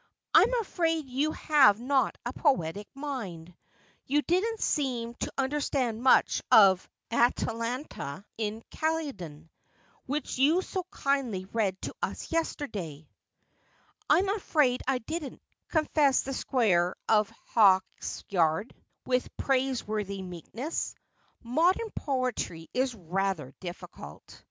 ' I'm afraid you have not a poetic mind. You didn't seem to understand much of " Atalanta in Calydon," which you so kindly read to us yesterday.' ' I'm afraid I didn't,' confessed the Squire of Hawksyard, '/ iDolde Live in Pees, if that I might.' 343 with praise worthy meekness. ' Modern poetry is rather difficult.